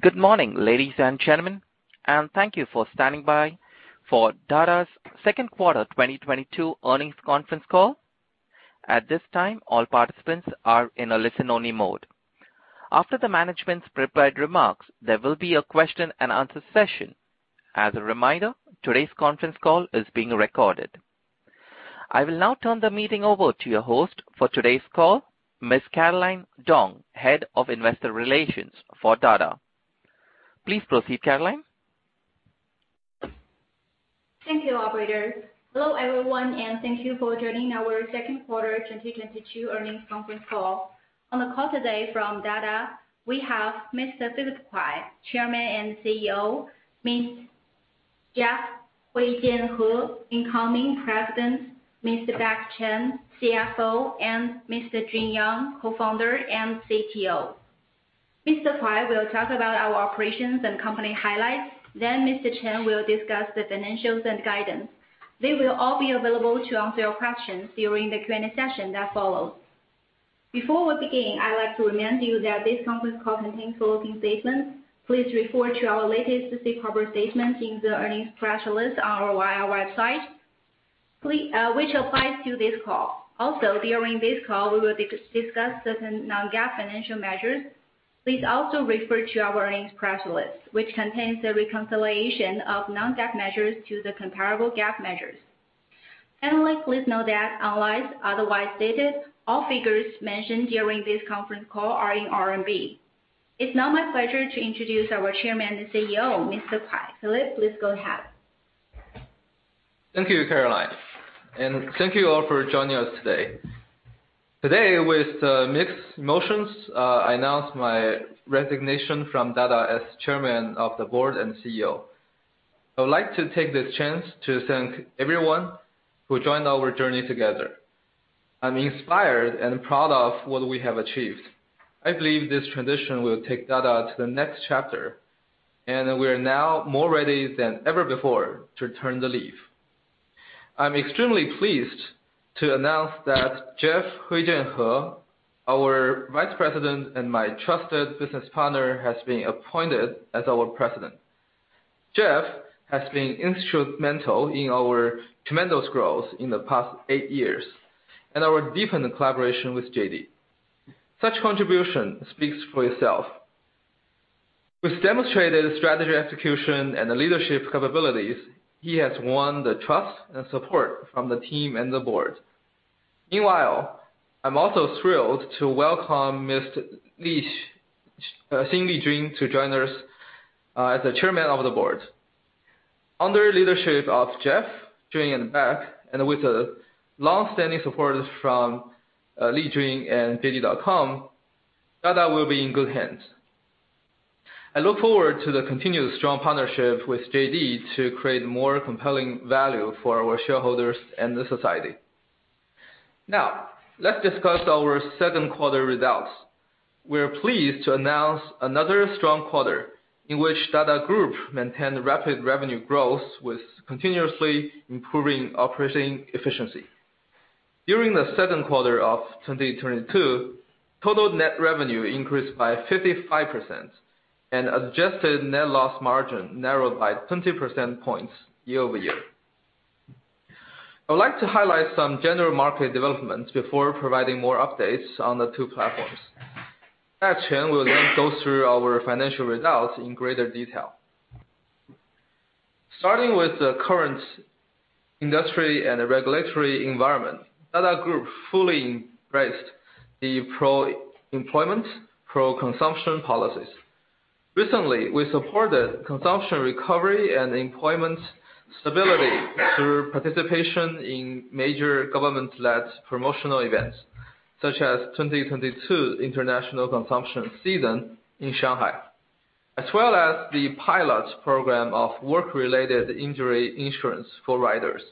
Good morning, ladies and gentlemen, and thank you for standing by for Dada's second quarter 2022 earnings conference call. At this time, all participants are in a listen-only mode. After the management's prepared remarks, there will be a question and answer session. As a reminder, today's conference call is being recorded. I will now turn the meeting over to your host for today's call, Miss Caroline Dong, Head of Investor Relations for Dada. Please proceed, Caroline. Thank you, operator. Hello, everyone, and thank you for joining our Q2 2022 earnings conference call. On the call today from Dada, we have Mr. Philip Kuai, Chairman and CEO, Mr. Jeff Huijian He, incoming President, Mr. Beck Zhaoming Chen, CFO, and Mr. Jun Yang, Co-founder and CTO. Mr. Kuai will talk about our operations and company highlights, then Mr. Chen will discuss the financials and guidance. They will all be available to answer your questions during the Q&A session that follows. Before we begin, I would like to remind you that this conference call contains forward-looking statements. Please refer to our latest safe harbor statement in the earnings press release on our IR website, which applies to this call. Also, during this call, we will discuss certain non-GAAP financial measures. Please also refer to our earnings press release, which contains a reconciliation of non-GAAP measures to the comparable GAAP measures. Finally, please note that unless otherwise stated, all figures mentioned during this conference call are in RMB. It's now my pleasure to introduce our Chairman and CEO, Mr. Kuai. Philip, please go ahead. Thank you, Caroline, and thank you all for joining us today. Today, with mixed emotions, I announce my resignation from Dada as Chairman of the Board and CEO. I would like to take this chance to thank everyone who joined our journey together. I'm inspired and proud of what we have achieved. I believe this transition will take Dada to the next chapter, and we are now more ready than ever before to turn the leaf. I'm extremely pleased to announce that Jeff Huijian He, our Vice President and my trusted business partner, has been appointed as our President. Jeff has been instrumental in our tremendous growth in the past eight years and our deepened collaboration with JD. Such contribution speaks for itself. With demonstrated strategy execution and the leadership capabilities, he has won the trust and support from the team and the board. Meanwhile, I'm also thrilled to welcome Mr. Xin Lijun to join us as the Chairman of the Board. Under leadership of Jeff, Jun, and Beck, and with the longstanding support from Xin Lijun and JD.com, Dada will be in good hands. I look forward to the continued strong partnership with JD to create more compelling value for our shareholders and the society. Now, let's discuss our second quarter results. We're pleased to announce another strong quarter in which Dada Group maintained rapid revenue growth with continuously improving operating efficiency. During the second quarter of 2022, total net revenue increased by 55%, and adjusted net loss margin narrowed by 20 percentage points year-over-year. I would like to highlight some general market developments before providing more updates on the two platforms. Beck Chen will then go through our financial results in greater detail. Starting with the current industry and the regulatory environment, Dada Group fully embraced the pro-employment, pro-consumption policies. Recently, we supported consumption recovery and employment stability through participation in major government-led promotional events, such as 2022 International Consumption Season in Shanghai, as well as the pilot program of work-related injury insurance for riders.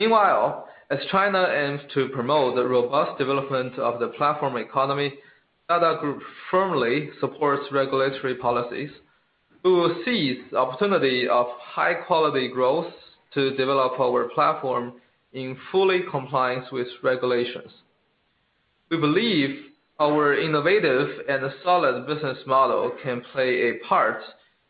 Meanwhile, as China aims to promote the robust development of the platform economy, Dada Group firmly supports regulatory policies. We will seize the opportunity of high-quality growth to develop our platform in full compliance with regulations. We believe our innovative and solid business model can play a part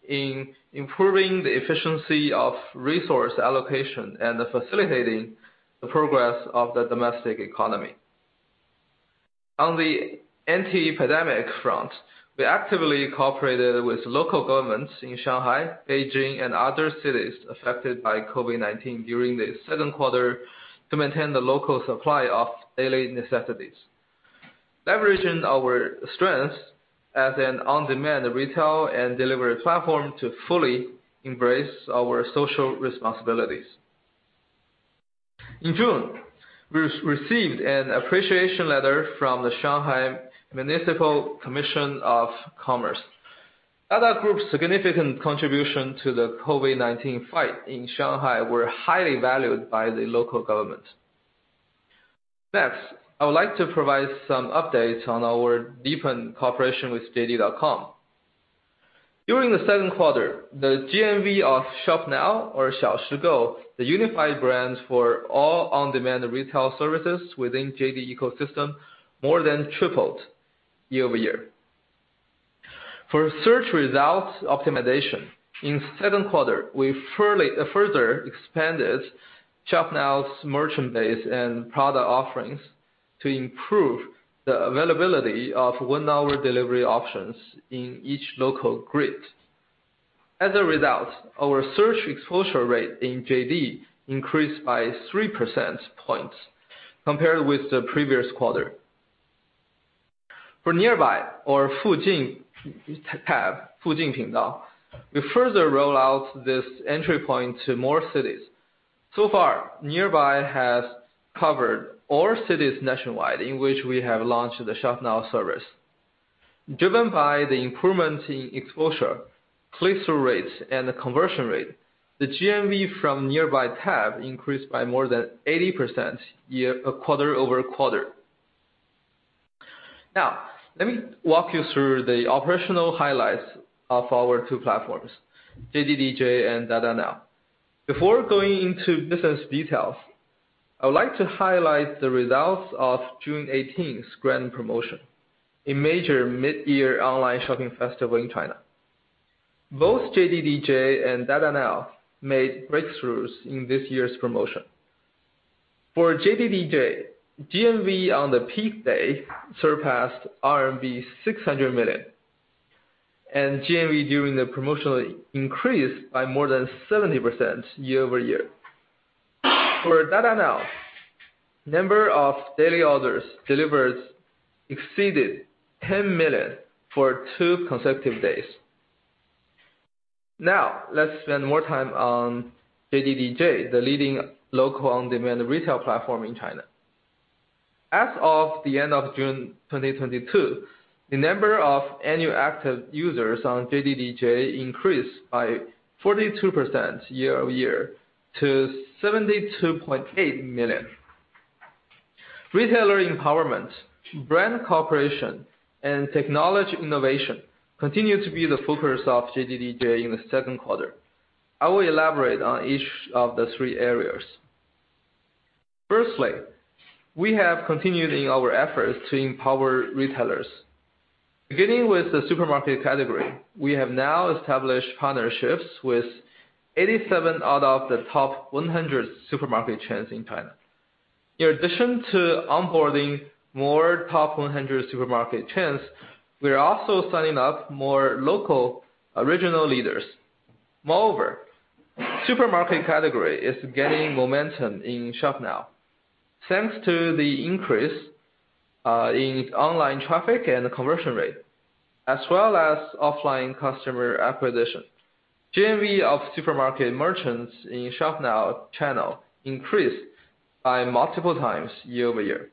in improving the efficiency of resource allocation and facilitating the progress of the domestic economy. On the anti-pandemic front, we actively cooperated with local governments in Shanghai, Beijing, and other cities affected by COVID-19 during the second quarter to maintain the local supply of daily necessities, leveraging our strengths as an on-demand retail and delivery platform to fully embrace our social responsibilities. In June, we received an appreciation letter from the Shanghai Municipal Commission of Commerce. Dada Group's significant contribution to the COVID-19 fight in Shanghai were highly valued by the local government. Next, I would like to provide some updates on our deepened cooperation with JD.com. During the second quarter, the GMV of Shop Now or Xiaoshigou, the unified brands for all on-demand retail services within JD ecosystem, more than tripled year-over-year. For search results optimization, in second quarter, we further expanded Shop Now's merchant base and product offerings to improve the availability of one-hour delivery options in each local grid. As a result, our search exposure rate in JD increased by three percentage points compared with the previous quarter. For Nearby or Fujin tab, Fujin platform, we further roll out this entry point to more cities. So far, Nearby has covered all cities nationwide in which we have launched the Shop Now service. Driven by the improvement in exposure, click-through rates, and the conversion rate, the GMV from Nearby tab increased by more than 80% quarter-over-quarter. Now, let me walk you through the operational highlights of our two platforms, JDDJ and Dada Now. Before going into business details, I would like to highlight the results of June eighteenth's Grand Promotion, a major mid-year online shopping festival in China. Both JDDJ and Dada Now made breakthroughs in this year's promotion. For JDDJ, GMV on the peak day surpassed RMB 600 million, and GMV during the promotion increased by more than 70% year-over-year. For Dada Now, number of daily orders delivered exceeded 10 million for two consecutive days. Now, let's spend more time on JDDJ, the leading local on-demand retail platform in China. As of the end of June 2022, the number of annual active users on JDDJ increased by 42% year-over-year to 72.8 million. Retailer empowerment, brand cooperation, and technology innovation continue to be the focus of JDDJ in the second quarter. I will elaborate on each of the three areas. Firstly, we have continued in our efforts to empower retailers. Beginning with the supermarket category, we have now established partnerships with 87 out of the top 100 supermarket chains in China. In addition to onboarding more top 100 supermarket chains, we are also signing up more local original leaders. Moreover, supermarket category is gaining momentum in Shop Now. Thanks to the increase in online traffic and conversion rate, as well as offline customer acquisition. GMV of supermarket merchants in Shop Now channel increased by multiple times year-over-year.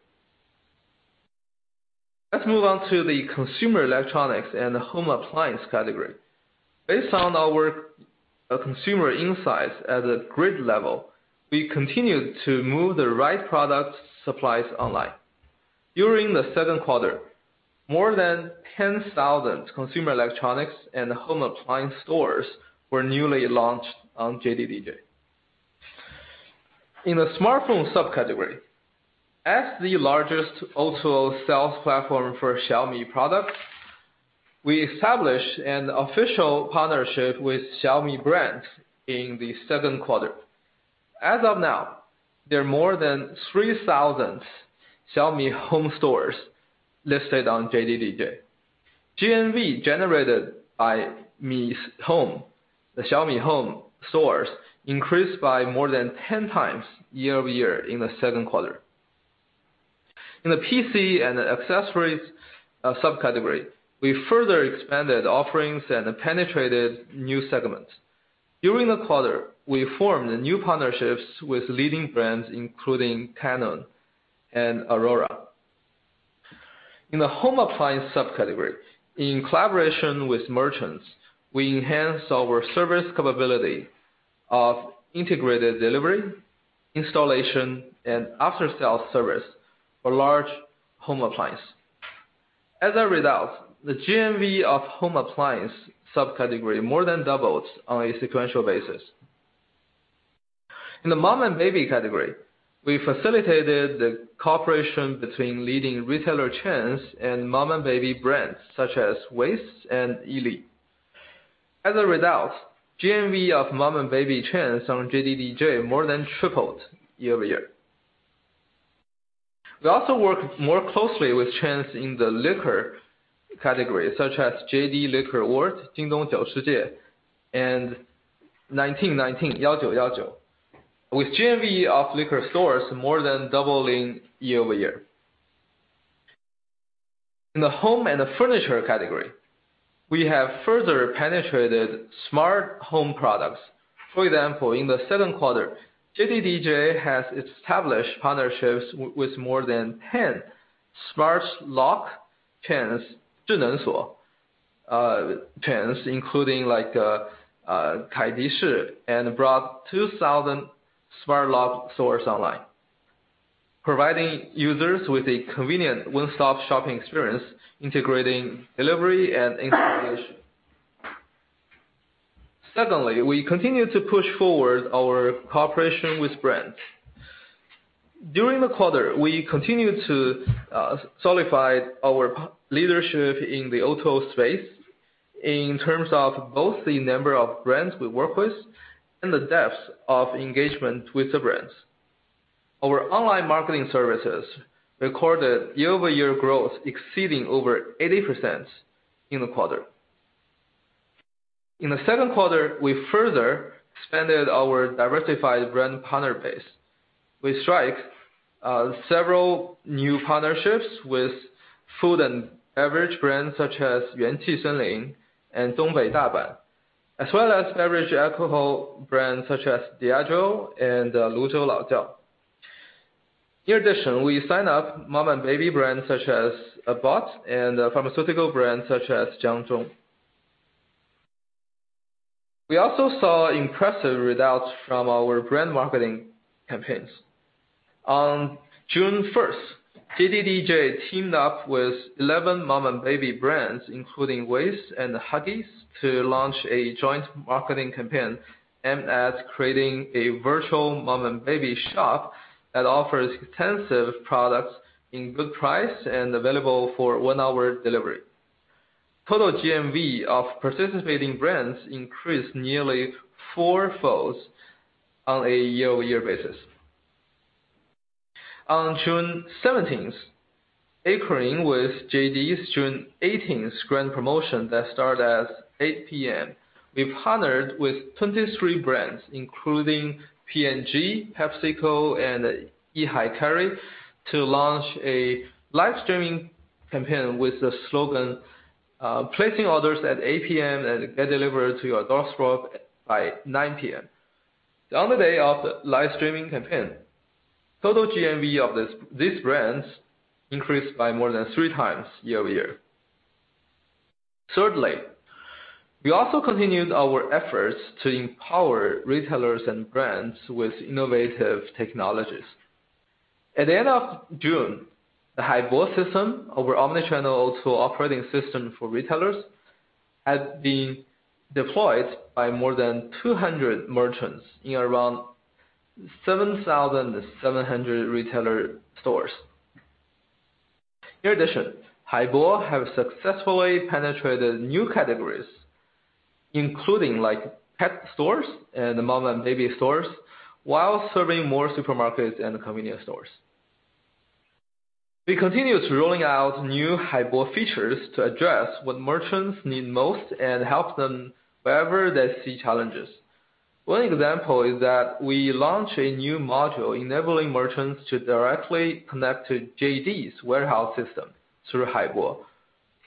Let's move on to the consumer electronics and home appliance category. Based on our consumer insights at a grid level, we continued to move the right product supplies online. During the second quarter, more than 10,000 consumer electronics and home appliance stores were newly launched on JDDJ. In the smartphone subcategory, as the largest O2O sales platform for Xiaomi products, we established an official partnership with Xiaomi brands in the second quarter. As of now, there are more than 3,000 Xiaomi home stores listed on JDDJ. GMV generated by the Xiaomi home stores increased by more than 10 times year-over-year in the second quarter. In the PC and accessories subcategory, we further expanded offerings and penetrated new segments. During the quarter, we formed new partnerships with leading brands, including Canon and Aurora. In the home appliance subcategory, in collaboration with merchants, we enhanced our service capability of integrated delivery, installation, and after-sale service for large home appliance. As a result, the GMV of home appliance subcategory more than doubled on a sequential basis. In the mom and baby category, we facilitated the cooperation between leading retailer chains and mom and baby brands such as Wyeth and Ellie. As a result, GMV of mom and baby chains on JDDJ more than tripled year-over-year. We also work more closely with chains in the liquor category, such as JD Liquor World, Jingdong Jiu Shijie, and 1919, yao jiu yao jiu. With GMV of liquor stores more than doubling year-over-year. In the home and the furniture category, we have further penetrated smart home products. For example, in the second quarter, JDDJ has established partnerships with more than 10 smart lock chains, zhineng suo chains, including like Kaadas, and brought 2,000 smart lock stores online, providing users with a convenient one-stop shopping experience, integrating delivery and installation. Secondly, we continue to push forward our cooperation with brands. During the quarter, we continued to solidify our leadership in the O2O space in terms of both the number of brands we work with and the depth of engagement with the brands. Our online marketing services recorded year-over-year growth exceeding 80% in the quarter. In the second quarter, we further expanded our diversified brand partner base. We struck several new partnerships with food and beverage brands such as Yuanqi Senlin and Dongbei Daban, as well as beverage alcohol brands such as Diageo and Luzhou Laojiao. In addition, we signed up mom and baby brands such as Abbott and pharmaceutical brands such as Jiangzhong. We also saw impressive results from our brand marketing campaigns. On June first, JDDJ teamed up with 11 mom and baby brands, including Wyeth and Huggies, to launch a joint marketing campaign aimed at creating a virtual mom and baby shop that offers extensive products in good price and available for one-hour delivery. Total GMV of participating brands increased nearly fourfold on a year-over-year basis. On June 17th, anchoring with JD's June eighteenth's grand promotion that started at 8 P.M., we partnered with 23 brands, including P&G, PepsiCo, and Yili Dairy, to launch a live streaming campaign with the slogan, "Placing orders at 8 P.M. and get delivered to your doorstep by 9 P.M." On the day of the live streaming campaign, total GMV of these brands increased by more than three times year-over-year. Thirdly, we also continued our efforts to empower retailers and brands with innovative technologies. At the end of June, the Haibo system, our omni-channel tool operating system for retailers, had been deployed by more than 200 merchants in around 7,700 retailer stores. In addition, Haibo have successfully penetrated new categories, including like pet stores and mom and baby stores, while serving more supermarkets and convenience stores. We continue to roll out new Haibo features to address what merchants need most and help them wherever they see challenges. One example is that we launched a new module enabling merchants to directly connect to JD's warehouse system through Haibo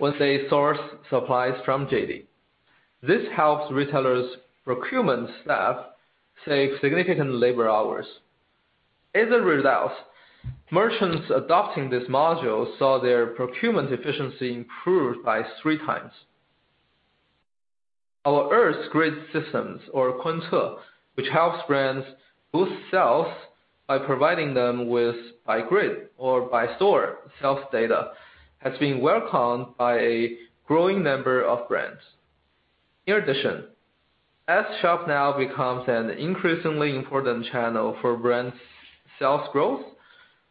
once they source supplies from JD. This helps retailers' procurement staff save significant labor hours. As a result, merchants adopting this module saw their procurement efficiency improved by three times. Our Earth Grid System or Kunce, which helps brands boost sales by providing them with by grid or by store sales data, has been welcomed by a growing number of brands. In addition, as Shop Now becomes an increasingly important channel for brands' sales growth,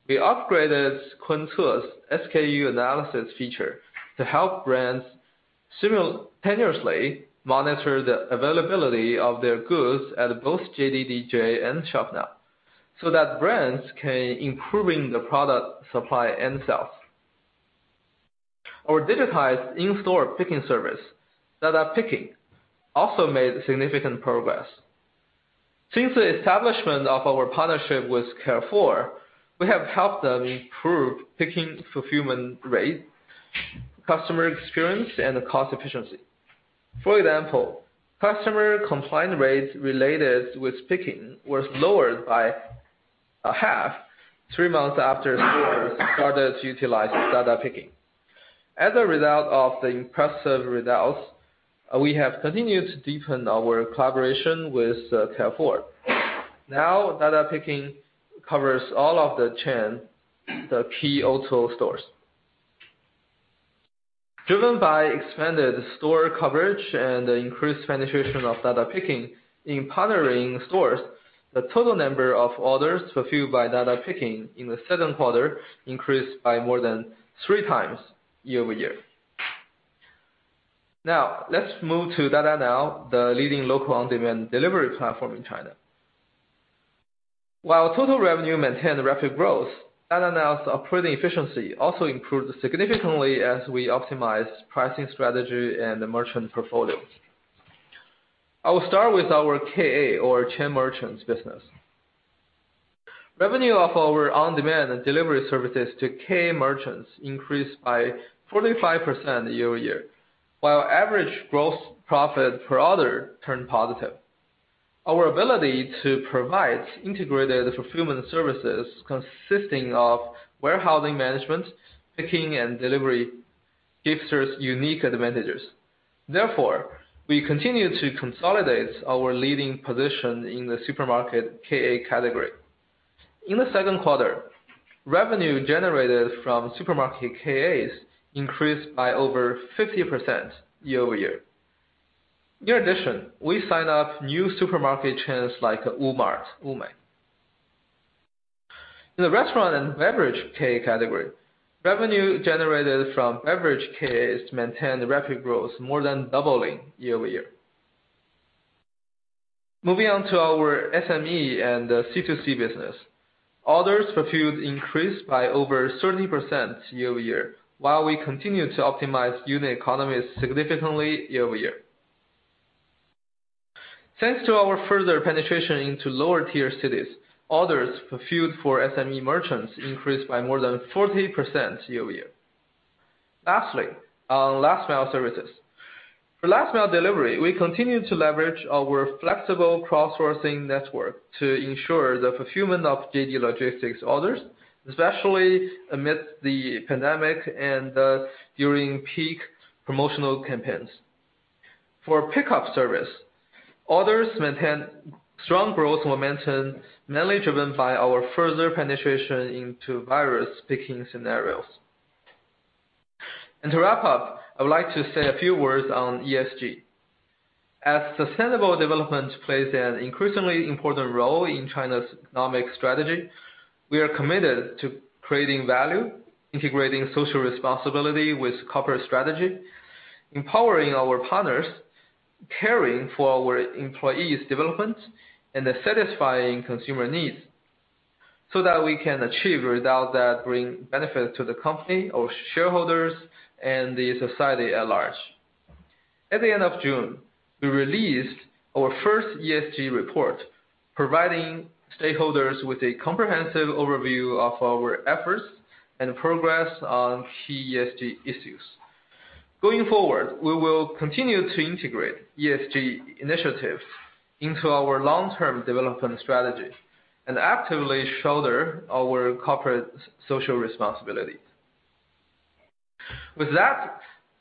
we upgraded Kunce's SKU analysis feature to help brands simultaneously monitor the availability of their goods at both JDDJ and Shop Now, so that brands can improve the product supply and sales. Our digitized in-store picking service, Dada Picking, also made significant progress. Since the establishment of our partnership with Carrefour, we have helped them improve picking fulfillment rate, customer experience, and cost efficiency. For example, customer complaint rates related with picking was lowered by a half three months after stores started to utilize Dada Picking. As a result of the impressive results, we have continued to deepen our collaboration with Carrefour. Now, Dada Picking covers all of the chain, the key O2O stores. Driven by expanded store coverage and increased penetration of Dada Picking in partnering stores, the total number of orders fulfilled by Dada Picking in the second quarter increased by more than three times year-over-year. Now, let's move to Dada Now, the leading local on-demand delivery platform in China. While total revenue maintained rapid growth, Dada Now's operating efficiency also improved significantly as we optimized pricing strategy and the merchant portfolios. I will start with our KA or chain merchants business. Revenue of our on-demand and delivery services to KA merchants increased by 45% year-over-year, while average gross profit per order turned positive. Our ability to provide integrated fulfillment services consisting of warehousing management, picking, and delivery gives us unique advantages. Therefore, we continue to consolidate our leading position in the supermarket KA category. In the second quarter, revenue generated from supermarket KAs increased by over 50% year-over-year. In addition, we signed up new supermarket chains like Wumart, WuMai. In the restaurant and beverage KA category, revenue generated from beverage KAs maintained rapid growth, more than doubling year-over-year. Moving on to our SME and C2C business. Orders fulfilled increased by over 30% year-over-year, while we continued to optimize unit economies significantly year-over-year. Thanks to our further penetration into lower-tier cities, orders fulfilled for SME merchants increased by more than 40% year-over-year. Lastly, on last-mile services. For last-mile delivery, we continue to leverage our flexible crowdsourcing network to ensure the fulfillment of JD Logistics orders, especially amid the pandemic and during peak promotional campaigns. For pickup service, orders maintained strong growth momentum, mainly driven by our further penetration into various picking scenarios. To wrap up, I would like to say a few words on ESG. As sustainable development plays an increasingly important role in China's economic strategy, we are committed to creating value, integrating social responsibility with corporate strategy, empowering our partners, caring for our employees' development, and then satisfying consumer needs so that we can achieve results that bring benefits to the company, our shareholders, and the society at large. At the end of June, we released our first ESG report, providing stakeholders with a comprehensive overview of our efforts and progress on key ESG issues. Going forward, we will continue to integrate ESG initiatives into our long-term development strategy and actively shoulder our corporate social responsibility. With that,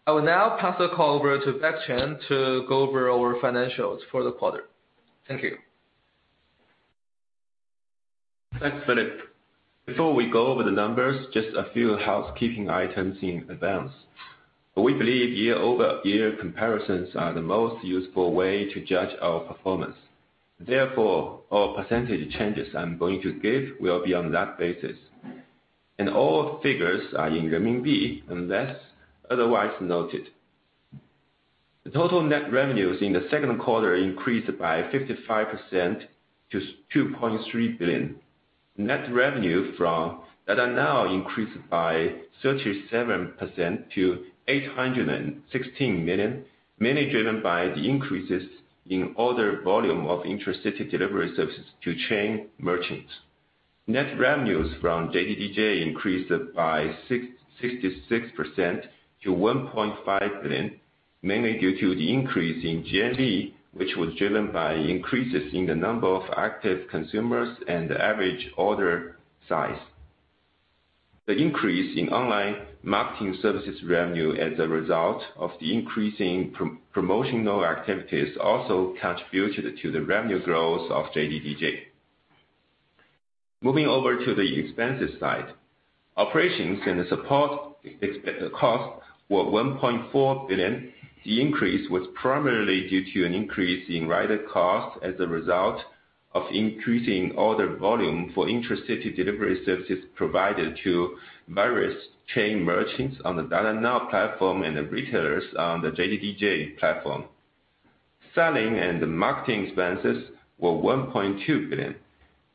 I will now pass the call over to Beck Chen to go over our financials for the quarter. Thank you. Thanks, Philip. Before we go over the numbers, just a few housekeeping items in advance. We believe year-over-year comparisons are the most useful way to judge our performance. Therefore, all percentage changes I'm going to give will be on that basis. All figures are in renminbi unless otherwise noted. The total net revenues in the second quarter increased by 55% to 2.3 billion. Net revenue from Dada Now increased by 37% to 816 million, mainly driven by the increases in order volume of intracity delivery services to chain merchants. Net revenues from JDDJ increased by 66% to 1.5 billion, mainly due to the increase in GMV, which was driven by increases in the number of active consumers and the average order size. The increase in online marketing services revenue as a result of the increasing promotional activities also contributed to the revenue growth of JDDJ. Moving over to the expenses side. Operations and support expenses were 1.4 billion. The increase was primarily due to an increase in rider costs as a result of increasing order volume for intracity delivery services provided to various chain merchants on the Dada Now platform and the retailers on the JDDJ platform. Selling and marketing expenses were 1.2 billion.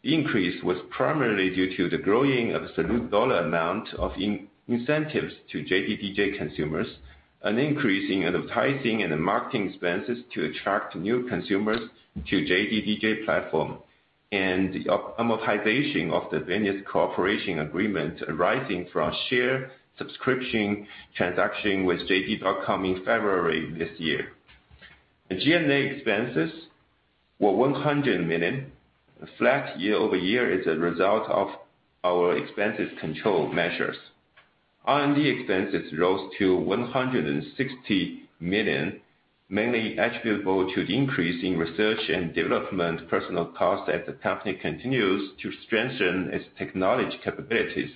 The increase was primarily due to the growing absolute dollar amount of incentives to JDDJ consumers, an increase in advertising and the marketing expenses to attract new consumers to JDDJ platform, and the amortization of the Venus cooperation agreement arising from a share subscription transaction with JD.com in February this year. G&A expenses were 100 million, flat year-over-year as a result of our expense control measures. R&D expenses rose to 160 million, mainly attributable to the increase in research and development personnel costs as the company continues to strengthen its technology capabilities.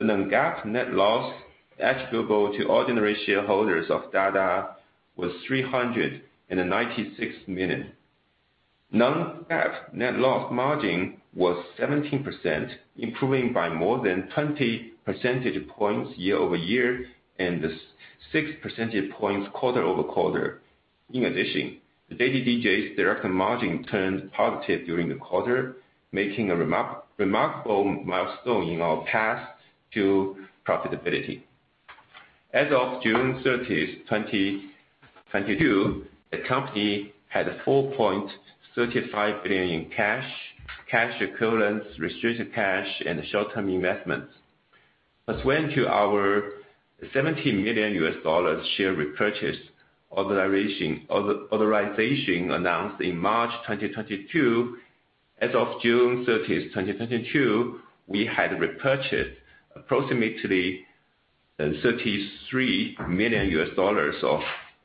Non-GAAP net loss attributable to ordinary shareholders of Dada was 396 million. Non-GAAP net loss margin was 17%, improving by more than 20 percentage points year-over-year, and 6 percentage points quarter-over-quarter. In addition, JDDJ's direct margin turned positive during the quarter, making a remarkable milestone in our path to profitability. As of June 30th, 2022, the company had 4.35 billion in cash equivalents, restricted cash, and short-term investments. Let's turn to our $70 million share repurchase authorization announced in March 2022. As of June 30, 2022, we had repurchased approximately $33 million of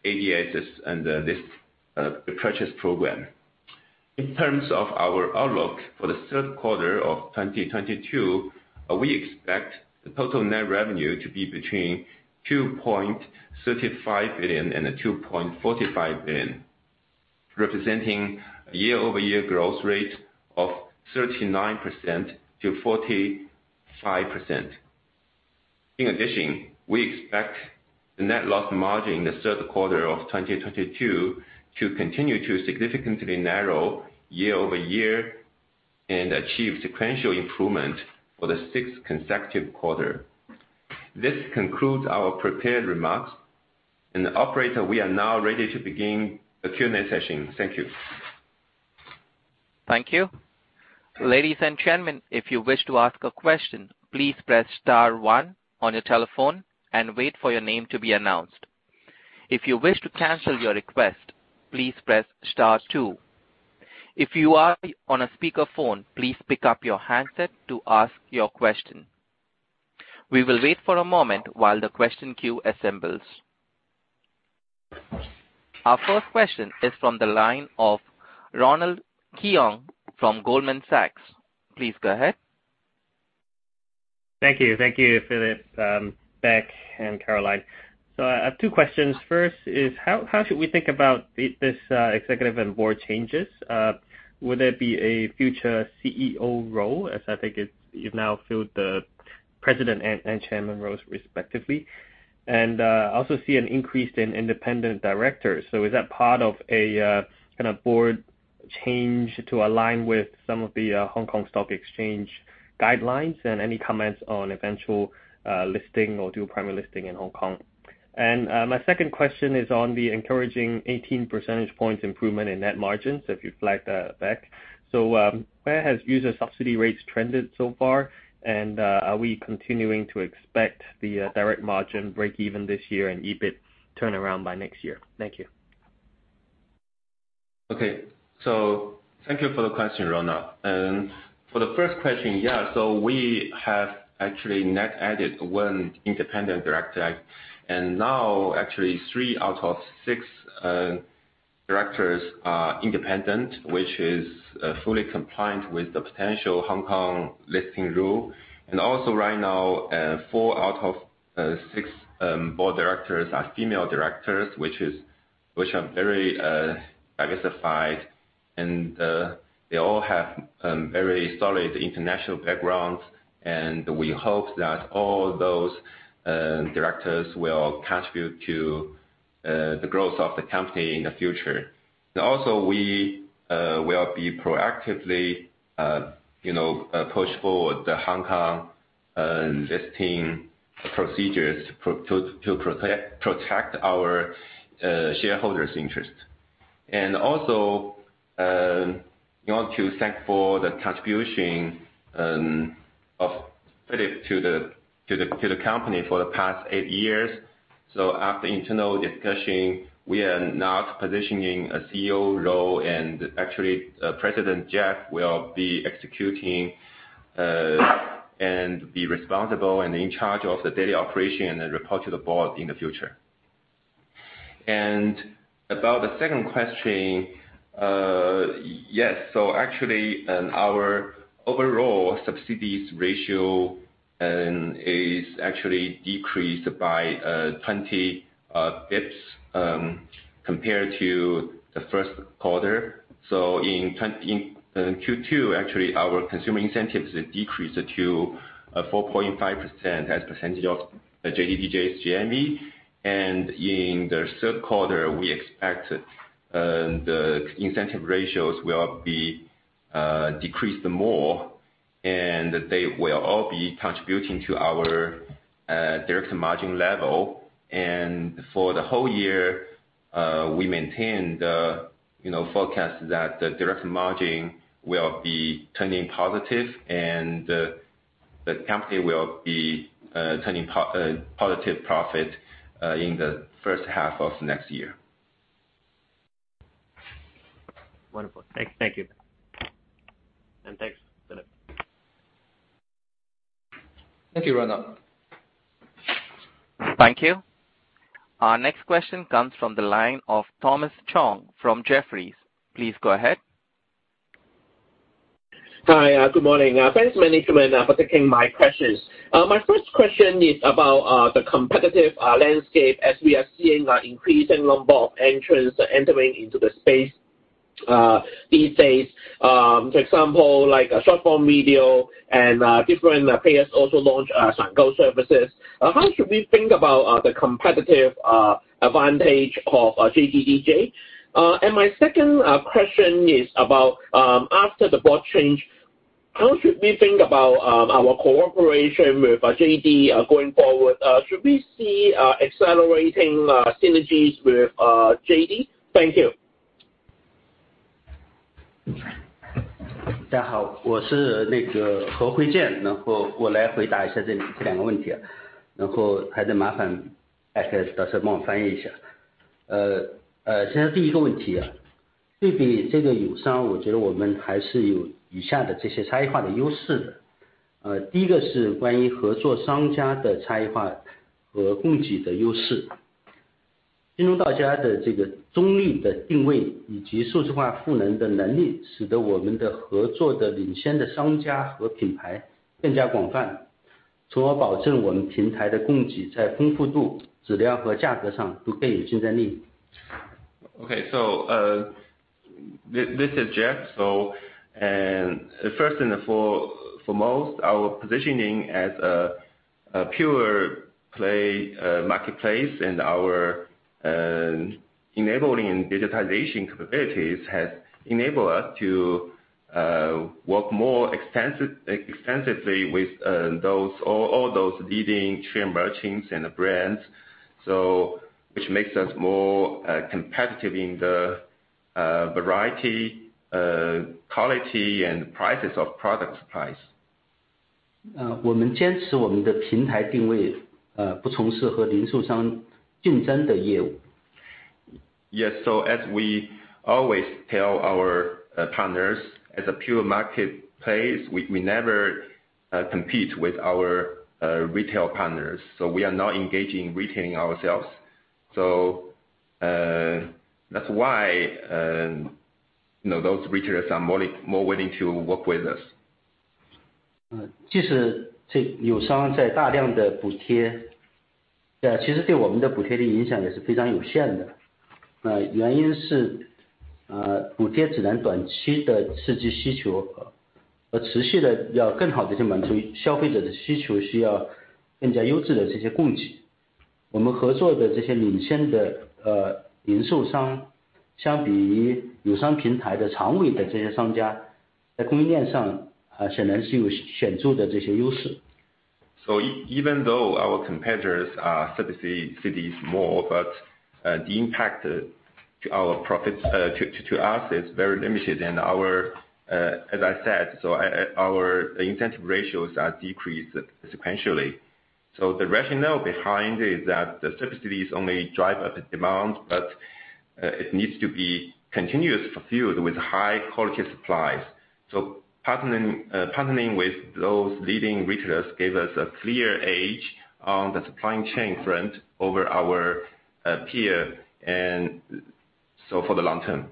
ADSs under this purchase program. In terms of our outlook for the third quarter of 2022, we expect the total net revenue to be between 2.35 billion and 2.45 billion, representing a year-over-year growth rate of 39%-45%. In addition, we expect the net loss margin in the third quarter of 2022 to continue to significantly narrow year-over-year and achieve sequential improvement for the sixth consecutive quarter. This concludes our prepared remarks. Operator, we are now ready to begin the Q&A session. Thank you. Thank you. Ladies and gentlemen, if you wish to ask a question, please press star one on your telephone and wait for your name to be announced. If you wish to cancel your request, please press star two. If you are on a speakerphone, please pick up your handset to ask your question. We will wait for a moment while the question queue assembles. Our first question is from the line of Ronald Keung from Goldman Sachs. Please go ahead. Thank you. Thank you, Philip, Beck and Caroline. I have two questions. First is how should we think about this executive and board changes? Would there be a future CEO role, as I think it's, you've now filled the president and chairman roles respectively. I also see an increase in independent directors. Is that part of a kind of board change to align with some of the Hong Kong Stock Exchange guidelines? Any comments on eventual listing or dual primary listing in Hong Kong? My second question is on the encouraging 18 percentage points improvement in net margins, if you'd flag that, Beck. Where has user subsidy rates trended so far? Are we continuing to expect the direct margin breakeven this year and EBIT turnaround by next year? Thank you. Okay. Thank you for the question, Ronald Keung. For the first question, we have actually net added one independent director. Now actually three out of six directors are independent, which is fully compliant with the potential Hong Kong listing rule. Right now four out of six board directors are female directors, which are very diversified, and they all have very solid international backgrounds. We hope that all those directors will contribute to the growth of the company in the future. Also we will be proactively, you know, move forward with the Hong Kong listing procedures to protect our shareholders' interest. We want to thank for the contribution of Philip Kuai to the company for the past eight years. After internal discussion, we are not positioning a CEO role, and actually, President Jeff will be executing, and be responsible and in charge of the daily operation and then report to the board in the future. About the second question, yes. Actually, our overall subsidy ratio is actually decreased by 20 basis points compared to the first quarter. In Q2 actually, our consumer incentives decreased to 4.5% as a percentage of JDDJ's GMV. In the third quarter, we expect the incentive ratios will be decreased more, and they will all be contributing to our direct margin level. For the whole year, we maintain the, you know, forecast that the direct margin will be turning positive and the company will be turning positive profit in the first half of next year. Wonderful. Thank you. Thanks, Philip. Thank you, Ronald. Thank you. Our next question comes from the line of Thomas Chong from Jefferies. Please go ahead. Hi, good morning. Thanks, management, for taking my questions. My first question is about the competitive landscape as we are seeing an increasing number of entrants entering into the space these days. For example, like, short-form video and different players also launch some O2O services. How should we think about the competitive advantage of JDDJ? My second question is about after the board change, how should we think about our cooperation with JD going forward? Should we see accelerating synergies with JD? Thank you. This is Jeff. First and foremost, our positioning as a pure play marketplace and our enabling digitalization capabilities has enabled us to work more extensively with those leading trend merchants and brands, which makes us more competitive in the variety, quality and prices of products. 我们坚持我们的平台定位，不从事和零售商竞争的业务。Yes, as we always tell our partners as a pure marketplace, we never compete with our retail partners, so we are not engaging in retailing ourselves. That's why, you know, those retailers are more willing to work with us. 即使这友商在大量地补贴，其实对我们的补贴的影响也是非常有限的。那原因是，补贴只能短期地刺激需求，而持续地要更好地去满足消费者的需求，需要更加优质的这些供给。我们合作的这些领先的零售商，相比于友商平台的长尾的这些商家，在供应链上啊，显然是有显著的这些优势。Even though our competitors are subsidizing cities more, but the impact to our profits to us is very limited. Our, as I said, so our incentive ratios are decreased sequentially. The rationale behind is that the subsidies only drive up the demand, but it needs to be continuously fulfilled with high quality supplies. Partnering with those leading retailers gave us a clear edge on the supply chain front over our peer. For the long term.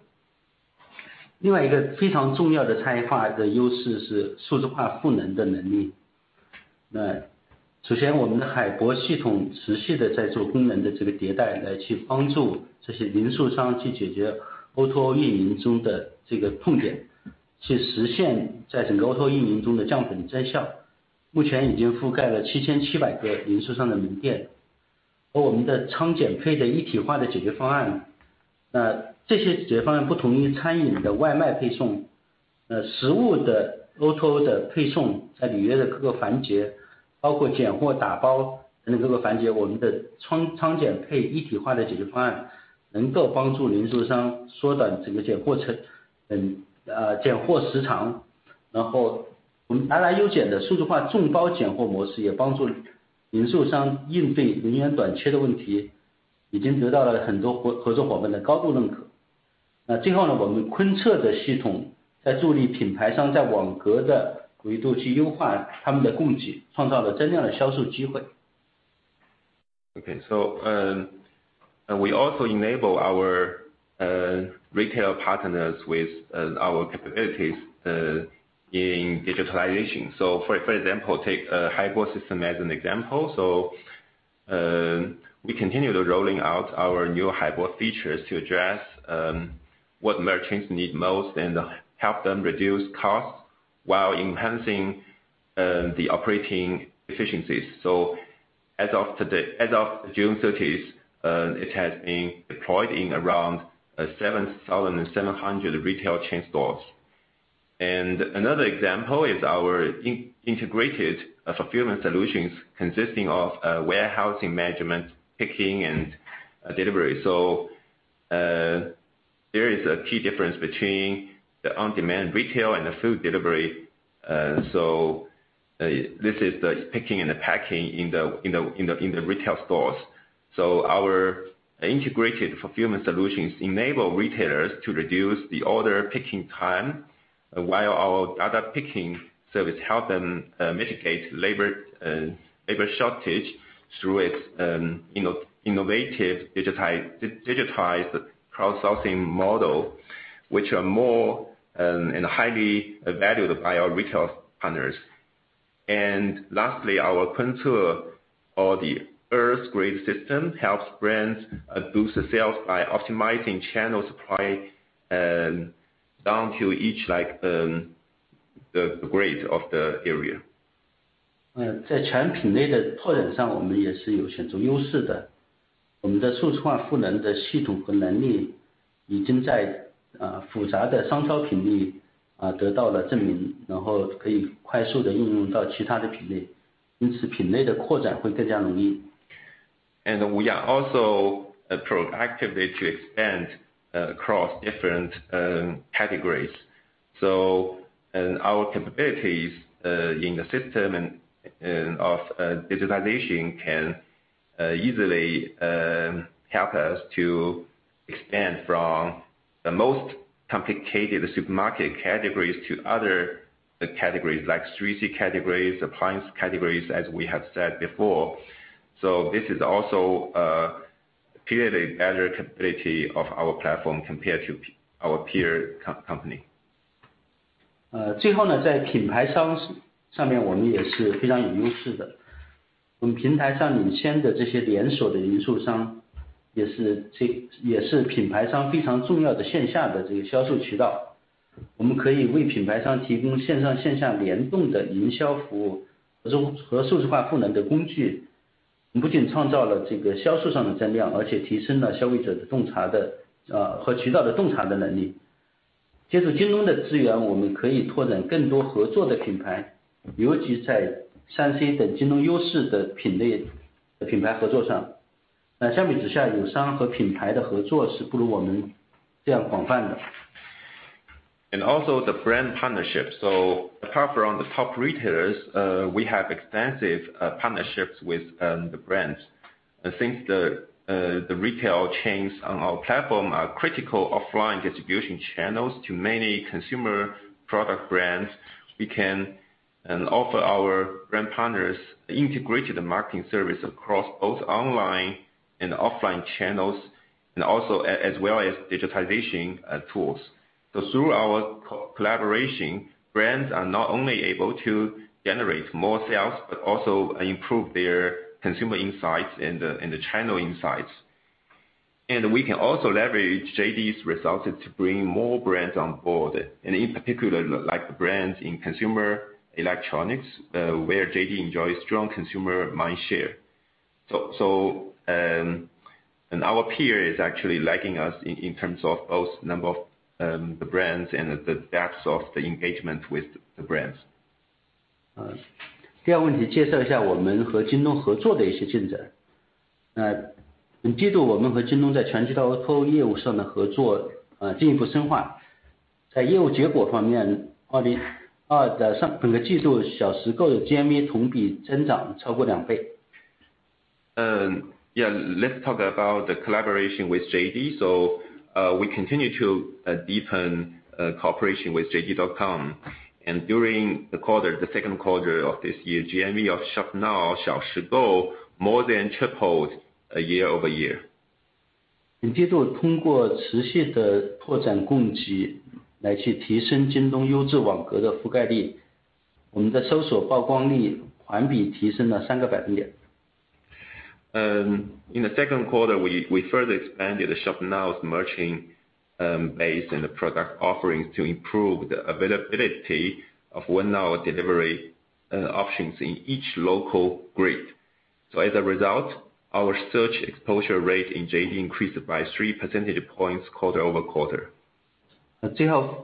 We also enable our retail partners with our capabilities in digitalization. For example, take Haibo system as an example. We continue rolling out our new Haibo features to address what merchants need most and help them reduce costs while enhancing the operating efficiencies. As of June 30th, it has been deployed in around 7,700 retail chain stores. Another example is our integrated fulfillment solutions consisting of warehousing, management, picking and delivery. There is a key difference between the on-demand retail and the food delivery. This is the picking and the packing in the retail stores. Our integrated fulfillment solutions enable retailers to reduce the order picking time while our Dada Picking service help them mitigate labor shortage through its innovative digitized crowdsourcing model, which are more and highly valued by our retail partners. Lastly, our Kunce or the earth grid system helps brands boost sales by optimizing channel supply down to each like the grid of the area. 在产品类的拓展上，我们也是有显著优势的。我们的数字化赋能的系统和能力已经在复杂的商超品类得到了证明，然后可以快速地运用到其他的品类，因此品类的扩展会更加容易。We are also proactively to expand across different categories. So, our capabilities in the system and of digitalization can easily help us to expand from the most complicated supermarket categories to other categories like 3C categories, appliance categories, as we have said before. So this is also a clearly added capability of our platform compared to our peer company. Uh, Also the brand partnerships. Apart from the top retailers, we have extensive partnerships with the brands. Since the retail chains on our platform are critical offline distribution channels to many consumer product brands. We can offer our brand partners integrated marketing service across both online and offline channels, and also as well as digitization tools. Through our collaboration, brands are not only able to generate more sales, but also improve their consumer insights and the channel insights. We can also leverage JD's resources to bring more brands on board, and in particular, like brands in consumer electronics, where JD enjoys strong consumer mind share. Our peers are actually lagging us in terms of both number of the brands and the depths of the engagement with the brands. Uh, Yeah. Let's talk about the collaboration with JD. We continue to deepen cooperation with JD.com. During the quarter, the second quarter of this year, GMV of Shop Now, Xiaoshigou more than tripled year-over-year. In the second quarter, we further expanded the Shop Now's merchant base and the product offerings to improve the availability of one-hour delivery options in each local grid. As a result, our search exposure rate in JD increased by 3 percentage points quarter-over-quarter.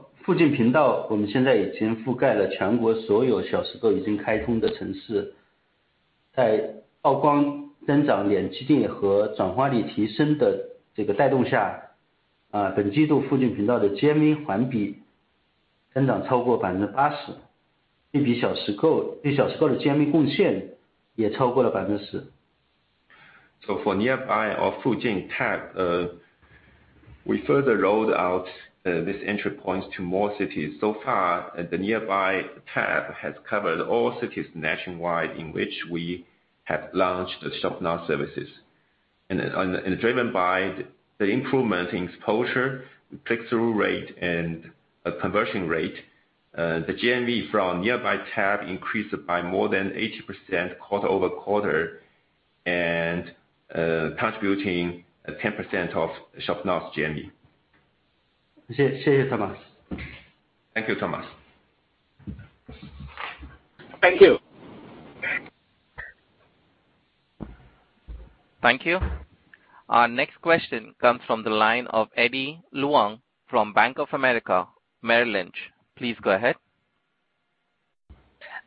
Uh, For nearby or Fujin tab, we further rolled out this entry points to more cities. So far, the nearby tab has covered all cities nationwide in which we have launched the Shop Now services. Driven by the improvement in exposure, click through rate and conversion rate, the GMV from nearby tab increased by more than 80% quarter-over-quarter, contributing 10% of Shop Now's GMV. Thank you, Thomas. Thank you. Thank you. Our next question comes from the line of Eddie Leung from Bank of America Merrill Lynch. Please go ahead.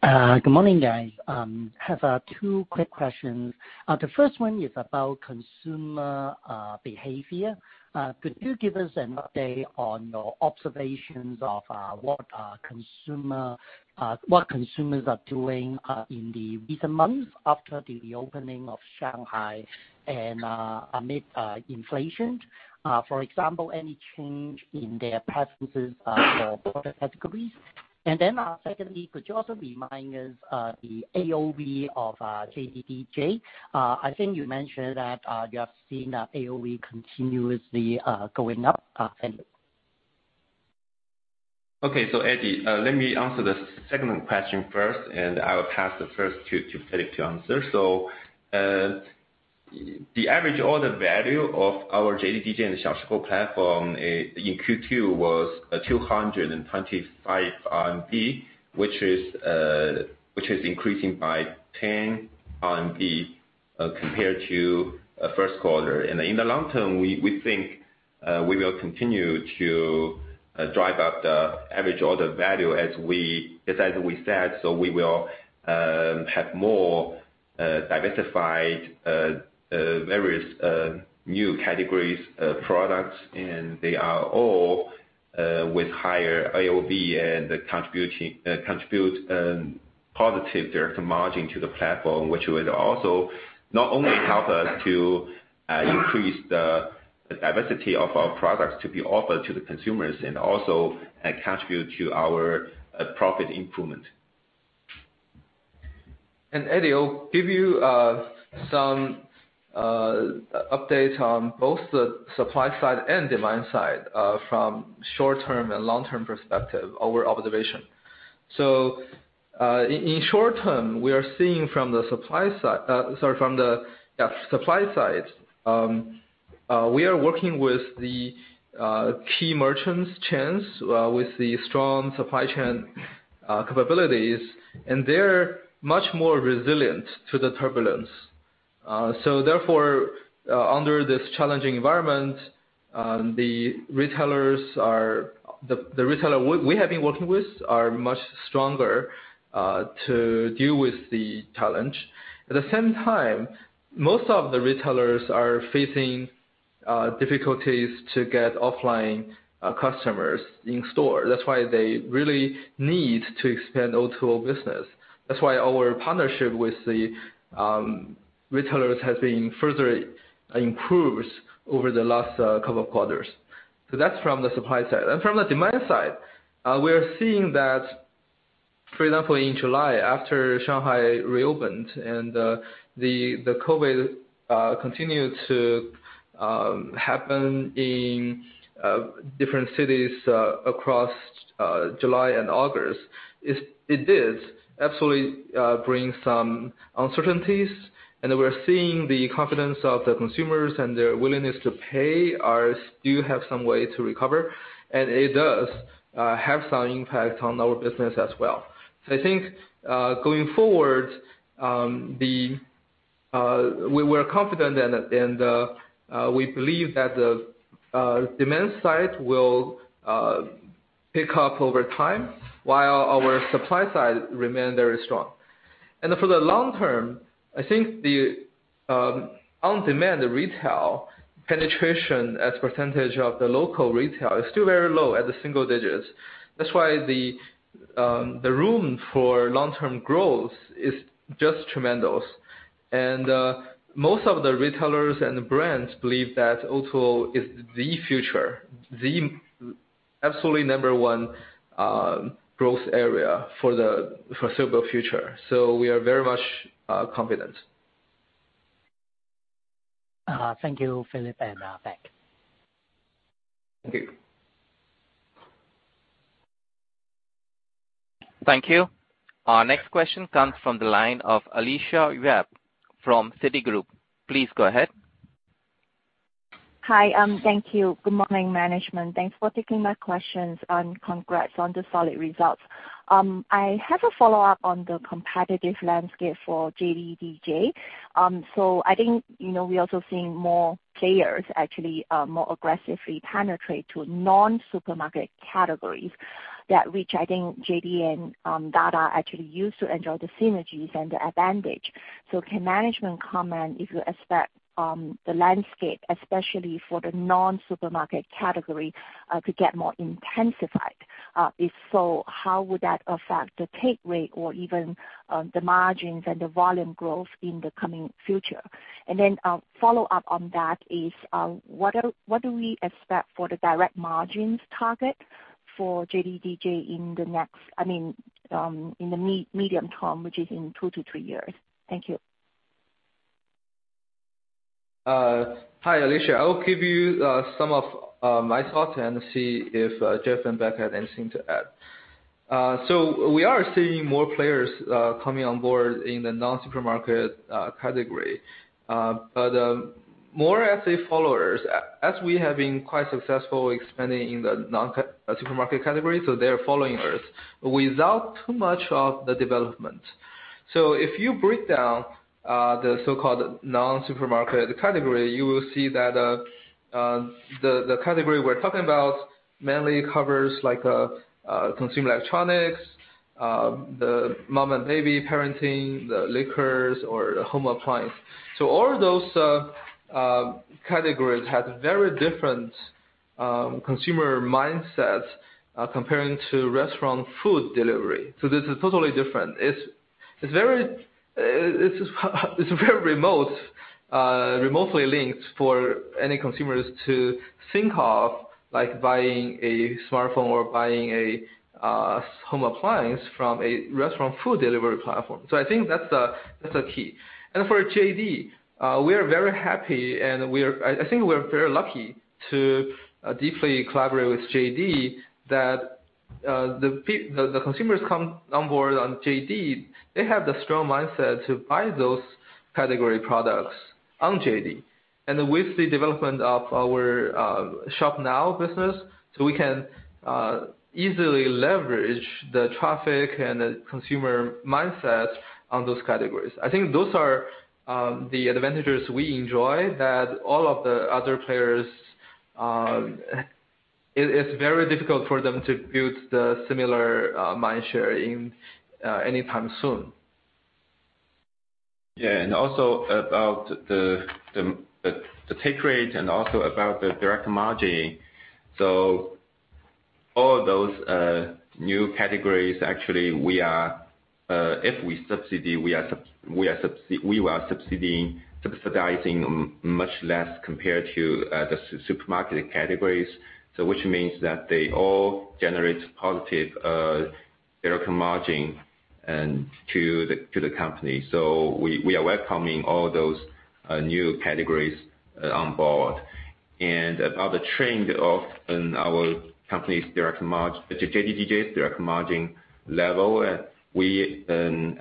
Good morning, guys. I have two quick questions. The first one is about consumer behavior. Could you give us an update on your observations of what consumers are doing in the recent months after the reopening of Shanghai and amid inflation? For example, any change in their preferences for product categories? Secondly, could you also remind us the AOV of JDDJ? I think you mentioned that you have seen that AOV continuously going up. Thank you. Okay. Eddie, let me answer the second question first, and I will pass the first to Philip to answer. The average order value of our JDDJ and Xiaoshigou platform in Q2 was 225 RMB, which is increasing by 10 RMB compared to first quarter. In the long term, we think we will continue to drive up the average order value as we just said. We will have more diversified various new categories of products, and they are all with higher AOV and contribute positive direct margin to the platform, which would also not only help us to increase the diversity of our products to be offered to the consumers and also contribute to our profit improvement. Eddie Leung, I'll give you some update on both the supply side and demand side from short-term and long-term perspective, our observation. In short-term, we are seeing from the supply side, we are working with the key merchant chains with the strong supply chain capabilities, and they're much more resilient to the turbulence. Therefore, under this challenging environment, the retailers we have been working with are much stronger to deal with the challenge. At the same time, most of the retailers are facing difficulties to get offline customers in store. That's why they really need to expand O2O business. That's why our partnership with the retailers has been further improved over the last couple of quarters. That's from the supply side. From the demand side, we're seeing that for example, in July, after Shanghai reopened and the COVID continued to happen in different cities across July and August, it did absolutely bring some uncertainties. We're seeing the confidence of the consumers and their willingness to pay are still have some way to recover, and it does have some impact on our business as well. I think, going forward, we were confident and we believe that the demand side will pick up over time while our supply side remain very strong. For the long term, I think the on-demand retail penetration as percentage of the local retail is still very low at the single digits. That's why the room for long-term growth is just tremendous. Most of the retailers and the brands believe that O2O is the future, the absolutely number one growth area for the foreseeable future. We are very much confident. Thank you, Philip and Beck. Thank you. Thank you. Our next question comes from the line of Alicia Yap from Citigroup. Please go ahead. Hi. Thank you. Good morning, management. Thanks for taking my questions, and congrats on the solid results. I have a follow-up on the competitive landscape for JDDJ. I think, you know, we're also seeing more players actually more aggressively penetrate to non-supermarket categories that which I think JD and Dada actually used to enjoy the synergies and the advantage. Can management comment if you expect the landscape, especially for the non-supermarket category, to get more intensified? If so, how would that affect the take rate or even the margins and the volume growth in the coming future? Then a follow-up on that is, what do we expect for the direct margins target for JDDJ in the next, I mean, in the medium term, which is in two to three years? Thank you. Hi, Alicia. I will give you some of my thoughts and see if Jeff and Beck have anything to add. We are seeing more players coming on board in the non-supermarket category. More as followers, as we have been quite successful expanding in the non-supermarket category, so they're following us without too much of the development. If you break down the so-called non-supermarket category, you will see that the category we're talking about mainly covers like consumer electronics, the mom and baby parenting, the liquors or home appliance. All those categories have very different consumer mindsets comparing to restaurant food delivery. This is totally different. It's very remote, remotely linked for any consumers to think of, like buying a smartphone or buying a home appliance from a restaurant food delivery platform. I think that's the key. For JD, we are very happy. I think we are very lucky to deeply collaborate with JD that the consumers come on board on JD, they have the strong mindset to buy those category products on JD. With the development of our Shop Now business, we can easily leverage the traffic and the consumer mindset on those categories. I think those are the advantages we enjoy. It is very difficult for all of the other players to build a similar mind share anytime soon. Yeah. Also about the take rate and also about the direct margin. All those new categories, actually we are subsidizing much less compared to the supermarket categories. Which means that they all generate positive direct margin to the company. We are welcoming all those new categories on board. About the trend of our company's direct margin, JDDJ's direct margin level, we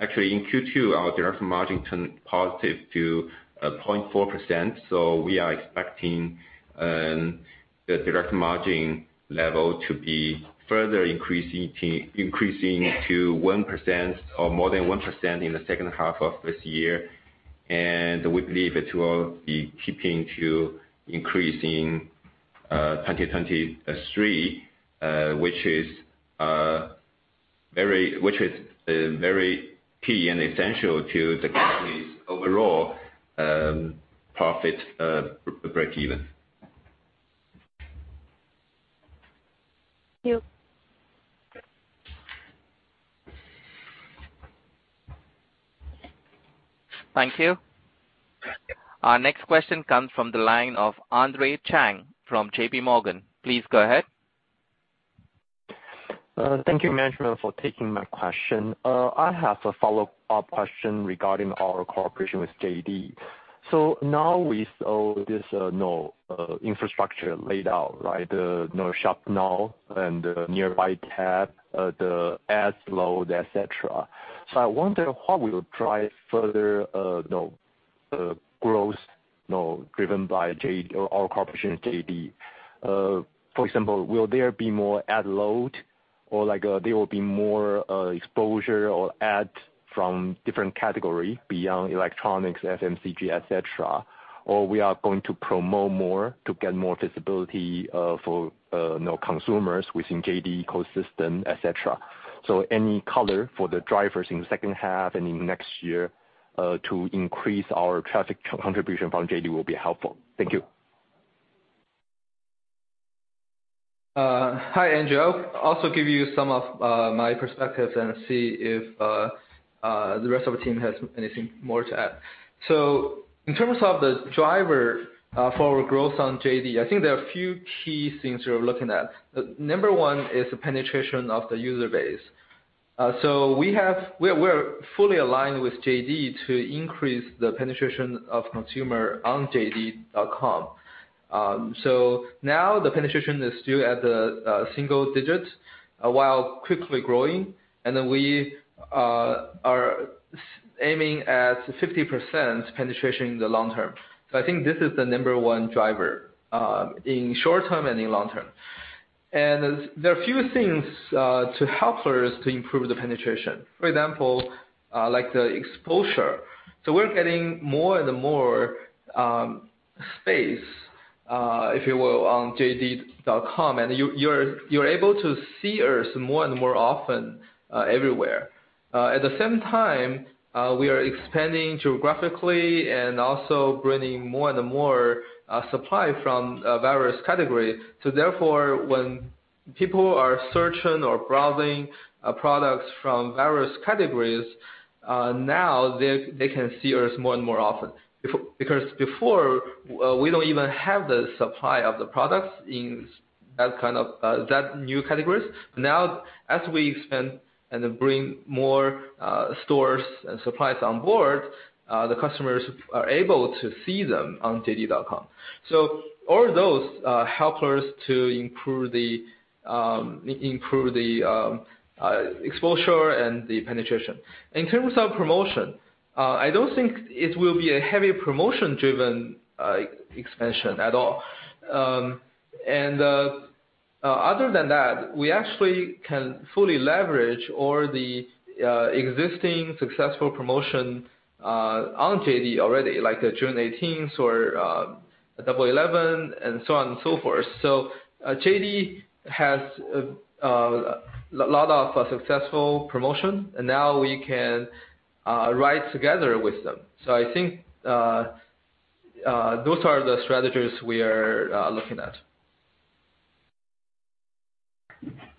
actually in Q2, our direct margin turned positive to 0.4%. We are expecting the direct margin level to be further increasing to 1% or more than 1% in the second half of this year. We believe it will be key to increasing 2023, which is very key and essential to the company's overall profit breakeven. Thank you. Thank you. Our next question comes from the line of Andre Chang from JPMorgan. Please go ahead. Thank you management for taking my question. I have a follow-up question regarding our cooperation with JD. Now we saw this, you know, infrastructure laid out, right? The you know, Shop Now and the Nearby tab, the ad load, et cetera. I wonder what will drive further, you know, growth, you know, driven by JD or our cooperation with JD. For example, will there be more ad load or like, there will be more exposure or ad from different category beyond electronics, FMCG, et cetera? We are going to promote more to get more visibility for you know, consumers within JD ecosystem, et cetera. Any color for the drivers in the second half and in next year to increase our traffic contribution from JD will be helpful. Thank you. Hi, Andre. I also give you some of my perspectives and see if the rest of the team has anything more to add. In terms of the driver for growth on JD.com, I think there are a few key things you're looking at. Number one is the penetration of the user base. We are fully aligned with JD.com to increase the penetration of consumer on JD.com. Now the penetration is still at the single-digit, while quickly growing, and then we are aiming at 50% penetration in the long term. I think this is the number one driver in short term and in long term. There are a few things to help us to improve the penetration. For example, like the exposure. We're getting more and more space, if you will, on JD.com. You're able to see us more and more often everywhere. At the same time, we are expanding geographically and also bringing more and more supply from various categories. Therefore, when people are searching or browsing products from various categories, now they can see us more and more often. Because before, we don't even have the supply of the products in that kind of new categories. Now, as we expand and then bring more stores and suppliers on board, the customers are able to see them on JD.com. All those help us to improve the exposure and the penetration. In terms of promotion, I don't think it will be a heavy promotion-driven expansion at all. Other than that, we actually can fully leverage all the existing successful promotion on JD already, like the June eighteenth or Double Eleven and so on and so forth. JD has lot of successful promotion, and now we can ride together with them. I think those are the strategies we are looking at.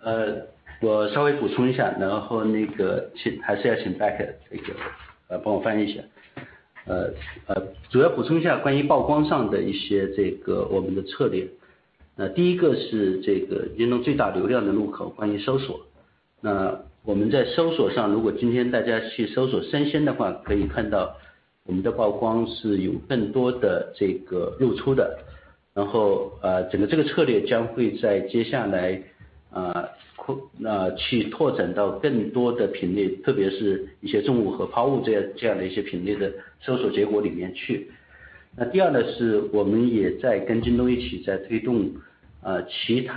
Uh, Including seckill, including this flash purchase, etc. All these channels will support BS, giving us the opportunity to get more exposure. Finally, in JD's shopping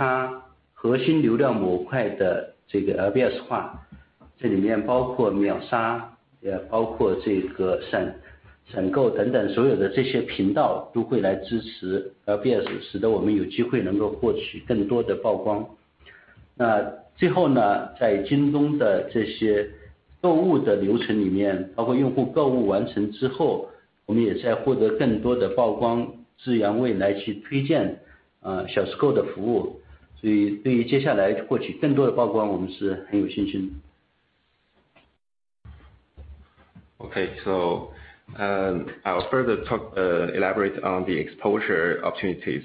process, including after the user has completed the purchase, we are also getting more exposure to recommend Xiaoshigou's services in the future. For the next step, we are very confident in getting more exposure. Okay. I'll further elaborate on the exposure opportunities.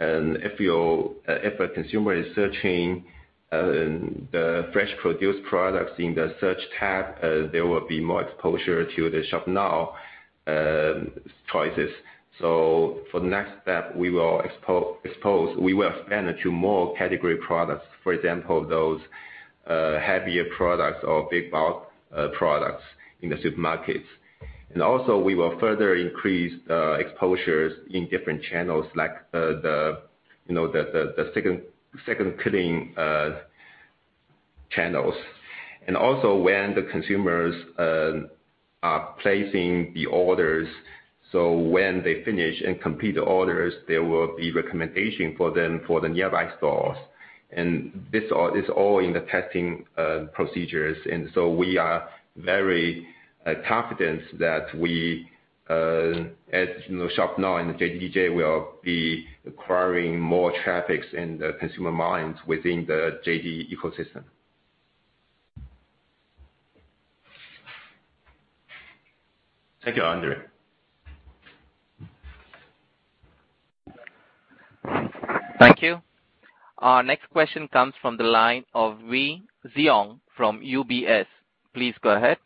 For example, if a consumer is searching the fresh produce products in the search tab, there will be more exposure to the Shop Now choices. For the next step, we will expand it to more category products, for example, those heavier products or big bulk products in the supermarkets. We will further increase exposures in different channels like, you know, the second killing channels. When the consumers are placing the orders, when they finish and complete the orders, there will be recommendation for them for the nearby stores. This all in the testing procedures. We are very confident that we at, you know, Shop Now in the JDDJ will be acquiring more traffic in the consumer minds within the JD ecosystem. Thank you. Andre Chang. Thank you. Our next question comes from the line of Wei Zhong from UBS. Please go ahead.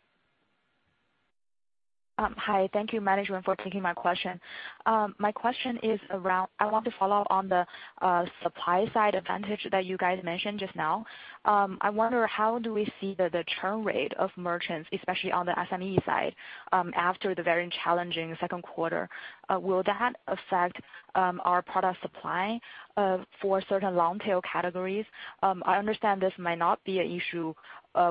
Hi. Thank you management for taking my question. My question is around. I want to follow up on the supply side advantage that you guys mentioned just now. I wonder how do we see the churn rate of merchants, especially on the SME side, after the very challenging second quarter. Will that affect our product supply for certain long tail categories? I understand this might not be an issue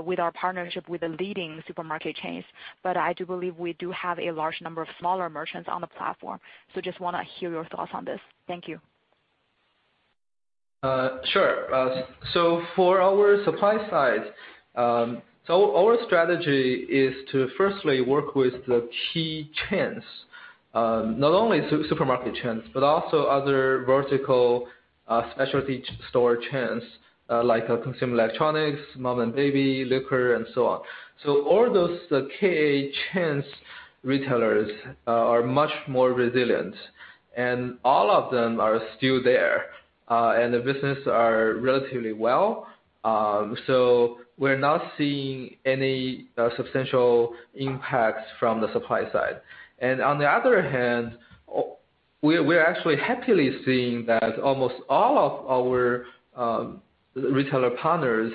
with our partnership with the leading supermarket chains, but I do believe we do have a large number of smaller merchants on the platform. Just wanna hear your thoughts on this. Thank you. Sure. Our strategy is to firstly work with the key chains, not only supermarket chains, but also other vertical, specialty store chains, like consumer electronics, mom and baby, liquor and so on. All those key chains retailers are much more resilient, and all of them are still there, and the business are relatively well. We're not seeing any substantial impacts from the supply side. On the other hand, we're actually happily seeing that almost all of our retailer partners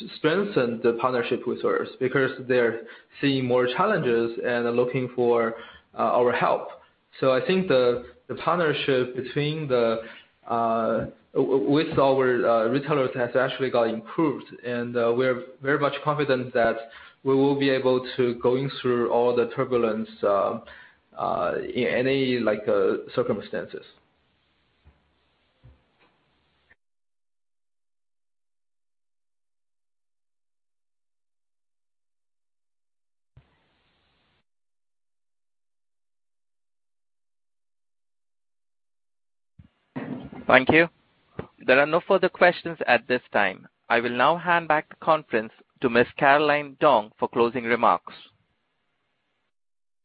have strengthened the partnership with ours because they're seeing more challenges and are looking for our help. I think the partnership with our retailers has actually got improved. We're very much confident that we will be able to going through all the turbulence in any, like, circumstances. Thank you. There are no further questions at this time. I will now hand back the conference to Ms. Caroline Dong for closing remarks.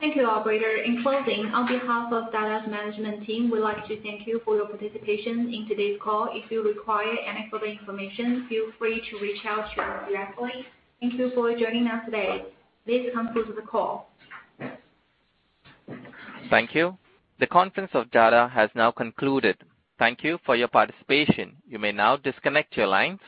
Thank you, operator. In closing, on behalf of Dada's management team, we'd like to thank you for your participation in today's call. If you require any further information, feel free to reach out to us directly. Thank you for joining us today. This concludes the call. Thank you. The conference of Dada has now concluded. Thank you for your participation. You may now disconnect your lines.